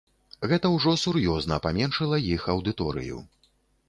Гэта ўжо сур'ёзна паменшыла іх аўдыторыю.